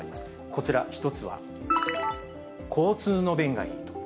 こちら、１つは、交通の便がいいと。